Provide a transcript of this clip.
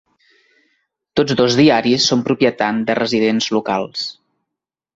Tots dos diaris són propietat de residents locals.